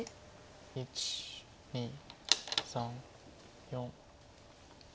１２３４。